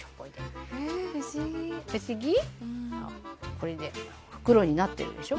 これで袋になってるでしょ？